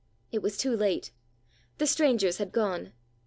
It was too late. The strangers had gone.